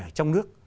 ở trong nước